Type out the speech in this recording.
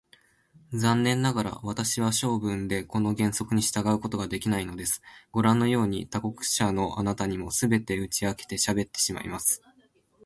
残念ながら、私は性分でこの原則に従うことができないのです。ごらんのように、他国者のあなたにも、すべて打ち明けてしゃべってしまいます。